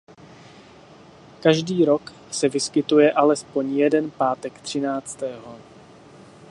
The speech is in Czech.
Každý rok se vyskytuje alespoň jeden pátek třináctého.